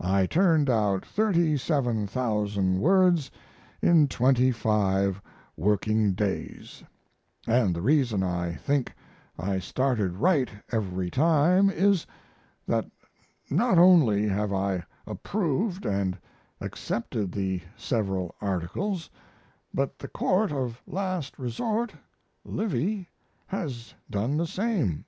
I turned out 37,000 words in 25 working days; & the reason I think I started right every time is, that not only have I approved and accepted the several articles, but the court of last resort (Livy) has done the same.